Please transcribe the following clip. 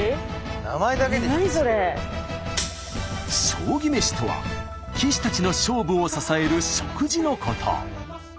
将棋メシとは棋士たちの勝負を支える食事のこと。